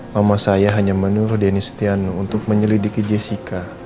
mama saya hanya menurut denny setiano untuk menyelidiki jessica